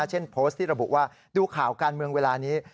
เช่นโพสต์ที่ระบุว่าดูข่าวการเมืองเวลานี้